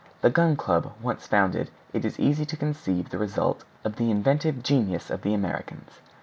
The Gun Club once founded, it is easy to conceive the result of the inventive genius of the Americans.